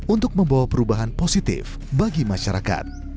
untuk membawa perubahan positif bagi masyarakat